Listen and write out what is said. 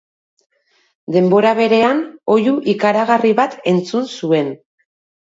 Denbora berean oihu ikaragarri bat entzun zuen.